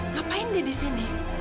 ngapain dia di sini